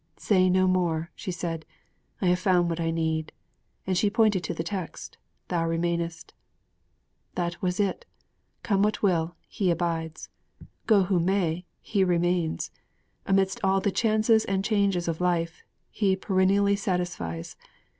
'Say no more,' she said, 'I have found what I need!' and she pointed to the text: 'Thou remainest!' That was it! Come what will, He abides! Go who may, He remains! Amidst all the chances and changes of life, He perennially satisfies.